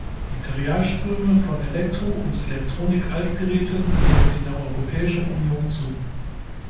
Materialströme von Elektro- und Elektronik-Altgeräten nehmen in der Europäischen Union zu.